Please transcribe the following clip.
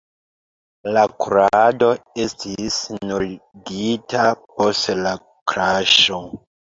La kurado estis nuligita post la kraŝo.